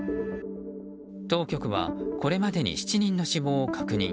当局はこれまでに７人の死亡を確認。